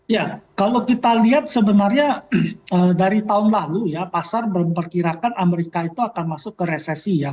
ya kalau kita lihat sebenarnya dari tahun lalu ya pasar memperkirakan amerika itu akan masuk ke resesi ya